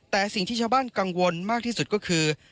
แต่สิ่งที่ชาวบ้านกังวลมากที่สุดก็คือ